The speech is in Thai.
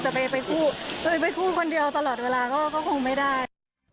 ไปคู่เคยไปคู่คนเดียวตลอดเวลาก็คงไม่ได้